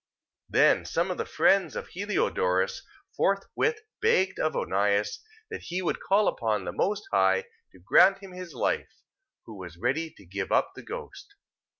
3:31. Then some of the friends of Heliodorus forthwith begged of Onias, that he would call upon the Most High to grant him his life, who was ready to give up the ghost.